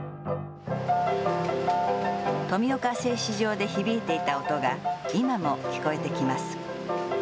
富岡製糸場で響いていた音が今も聞こえてきます。